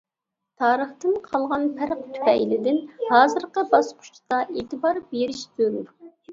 تارىختىن قالغان پەرق تۈپەيلىدىن ھازىرقى باسقۇچتا ئېتىبار بېرىش زۆرۈر.